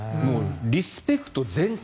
リスペクト全開。